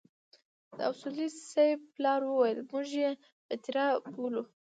د اصولي صیب پلار وويل موږ يې پتيره بولو.